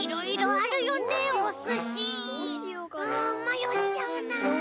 まよっちゃうな。